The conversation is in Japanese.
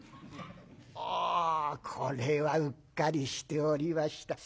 「ああこれはうっかりしておりました。